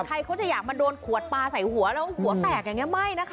ใครเขาจะอยากมาโดนขวดปลาใส่หัวแล้วหัวแตกอย่างนี้ไม่นะคะ